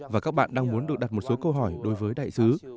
và các bạn đang muốn được đặt một số câu hỏi đối với đại sứ